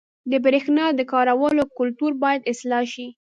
• د برېښنا د کارولو کلتور باید اصلاح شي.